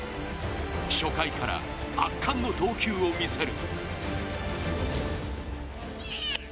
初回から圧巻の投球を見せる。